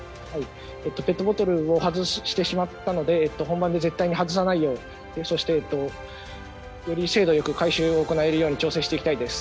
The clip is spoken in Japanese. ペットボトルを外してしまったので本番で絶対に外さないようそしてより精度よく回収を行えるように調整していきたいです。